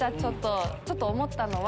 ちょっと思ったのは。